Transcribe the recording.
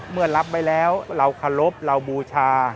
เมื่อรับไปแล้วเราขอรบเราบูชา